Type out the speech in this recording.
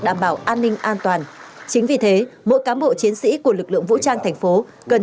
đảm bảo an ninh an toàn chính vì thế mỗi cán bộ chiến sĩ của lực lượng vũ trang thành phố cần